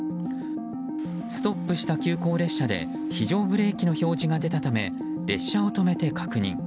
ストップした急行列車で非常ブレーキの表示が出たため列車を止めて確認。